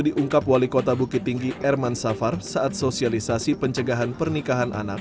diungkap wali kota bukitinggi herman safar saat sosialisasi pencegahan pernikahan anak